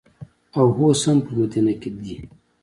او اوس هم په مدینه کې دي.